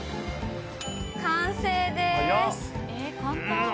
完成です！